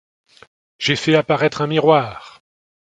J'ai fait apparaître un miroir.